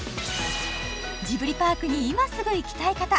ジブリパークに今すぐ行きたい方